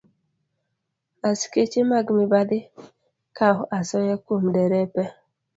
Askeche mag mibadhi kawo asoya kuom derepe